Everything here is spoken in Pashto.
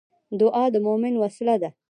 دعا د مومن وسله ده